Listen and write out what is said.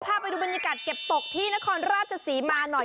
พาไปดูบรรยากาศเก็บตกที่นครราชศรีมาหน่อย